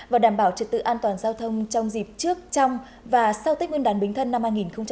và đảm bảo trực tự an toàn giao thông trong dịp trước trong và sau tết nguyên đán bình thân năm hai nghìn một mươi sáu